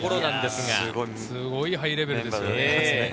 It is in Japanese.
すごいハイレベルですね。